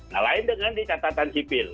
nah lain dengan dicatatan sipil